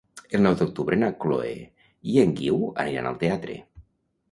El nou d'octubre na Chloé i en Guiu aniran al teatre.